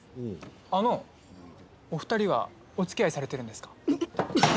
あの、お二人はおつきあいされているんですか？